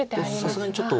さすがにちょっと。